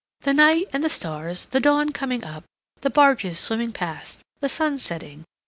"The night and the stars, the dawn coming up, the barges swimming past, the sun setting....